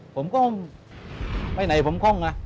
ผมก็ไปไหนพร้อมค่อง